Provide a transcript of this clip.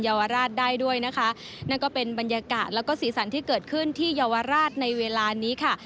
ยาวราชได้ด้วยนะคะนั่นก็เป็นบรรยากาศแล้วก็สีสันที่เกิดขึ้นที่เยาวราชในเวลานี้ค่ะ